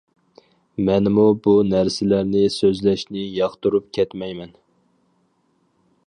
مەنمۇ بۇ نەرسىلەرنى سۆزلەشنى ياقتۇرۇپ كەتمەيمەن.